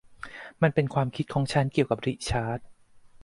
มันเป็นความคิดของฉันเกี่ยวกับริชาร์ด